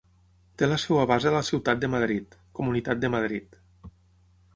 Té la seva base a la ciutat de Madrid, Comunitat de Madrid.